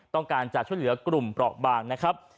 ต้องการจะช่วยเหลือกลุ่มเปราะบางนะครับ